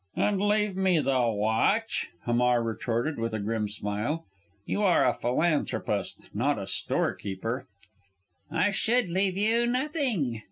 "And leave me the watch!" Hamar retorted, with a grim smile. "You are a philanthropist not a storekeeper." "I should leave you nothing!"